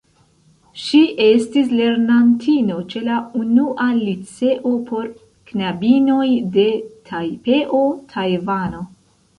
Ŝi estis lernantino ĉe la Unua Liceo por Knabinoj de Tajpeo, Tajvano.